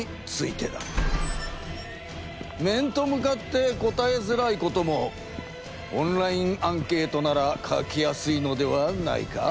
面と向かって答えづらいこともオンラインアンケートなら書きやすいのではないか？